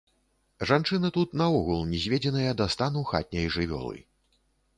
Жанчыны тут наогул нізведзеныя да стану хатняй жывёлы.